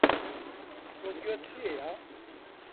تۆ گوێت لێیە؟